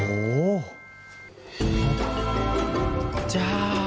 โอ๊ะ